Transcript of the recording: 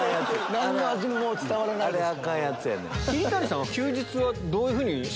何の味も伝わらないですから。